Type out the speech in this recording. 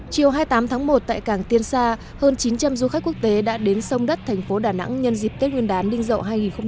chiều hai mươi tám tháng một tại cảng tiên sa hơn chín trăm linh du khách quốc tế đã đến sông đất thành phố đà nẵng nhân dịp tết nguyên đán ninh dậu hai nghìn hai mươi